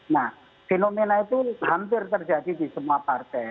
nah fenomena itu hampir terjadi di semua partai